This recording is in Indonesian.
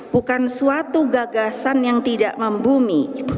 bukan suatu gagasan yang tidak membumi